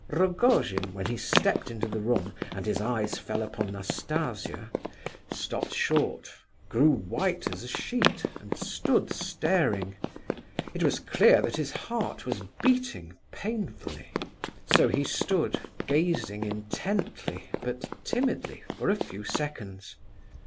Rogojin, when he stepped into the room, and his eyes fell upon Nastasia, stopped short, grew white as a sheet, and stood staring; it was clear that his heart was beating painfully. So he stood, gazing intently, but timidly, for a few seconds.